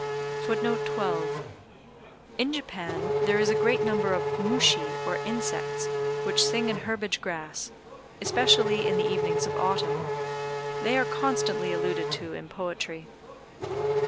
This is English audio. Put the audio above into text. ] [Footnote 12: In Japan there is a great number of "mushi" or insects, which sing in herbage grass, especially in the evenings of Autumn. They are constantly alluded to in poetry.